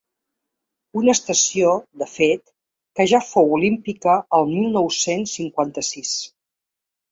Una estació, de fet, que ja fou olímpica el mil nou-cents cinquanta-sis.